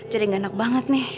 jadi gak enak banget nih